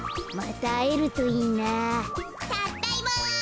たっだいま。